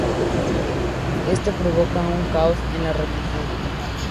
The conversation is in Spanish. Esto provocó un caos en la región.